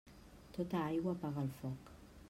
Tota aigua apaga el foc.